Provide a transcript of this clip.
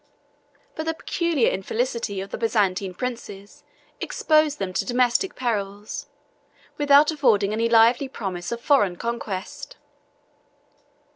But the peculiar infelicity of the Byzantine princes exposed them to domestic perils, without affording any lively promise of foreign conquest.